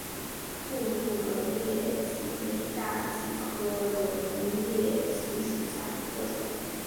印度轮叶戟为大戟科轮叶戟属下的一个种。